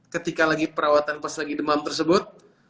ketika lagi perawatan pas lagi demam tersebut